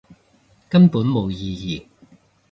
根本冇意義